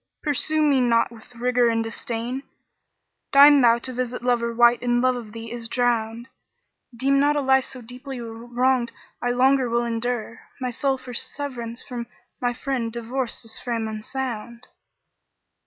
pursue me not with rigour and disdain: * Deign thou to visit lover wight in love of thee is drowned; Deem not a life so deeply wronged I longer will endure; * My soul for severance from my friend divorced this frame unsound."